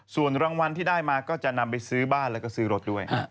ส่วนรางวัลที่ได้มาก็จะนำไปซื้อบ้านแล้วก็ซื้อรถด้วย